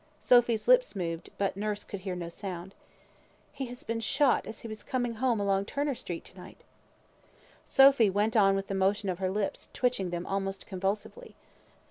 Sophy's lips moved, but nurse could hear no sound. "He has been shot as he was coming home along Turner Street, to night." Sophy went on with the motion of her lips, twitching them almost convulsively.